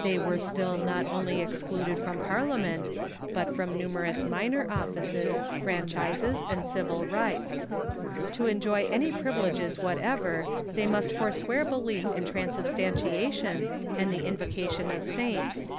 They were still not only excluded from Par Emancipation liament, but from numerous minor offices, fran chises, and civil rights. To enjoy any privileges whatever they must forswear belief in transubstantiation and the invocation of saints.